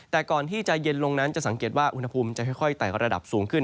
แต่ก่อนที่จะเย็นลงนั้นจะสังเกตว่าอุณหภูมิจะค่อยไต่ระดับสูงขึ้น